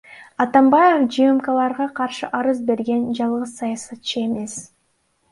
Атамбаев ЖМКларга каршы арыз берген жалгыз саясатчы эмес.